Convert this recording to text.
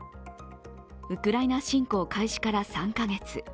ウクライナ侵攻開始から３カ月。